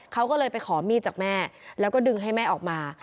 เขาก็เลยไปขอมีดจากแม่แล้วก็ดึงให้แม่ออกมา